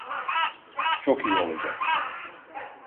Çok iyi olacak.